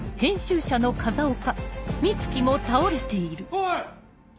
おい！